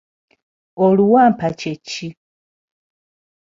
Oluwampa kye ki?